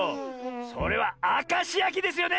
それはあかしやきですよね！